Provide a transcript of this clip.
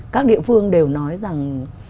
các địa phương đều nói rằng